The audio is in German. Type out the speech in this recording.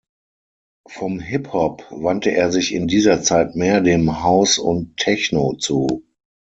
Vom Hip-Hop wandte er sich in dieser Zeit mehr dem House und Techno zu.